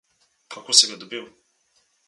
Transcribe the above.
Kako si ga dobil?